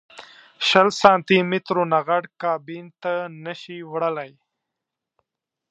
شل سانتي مترو نه غټ کابین ته نه شې وړلی.